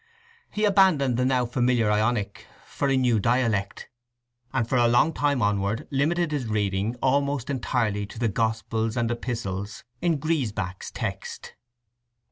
He abandoned the now familiar Ionic for a new dialect, and for a long time onward limited his reading almost entirely to the Gospels and Epistles in Griesbach's text.